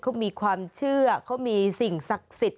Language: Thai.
เขามีความเชื่อเขามีสิ่งศักดิ์สิทธิ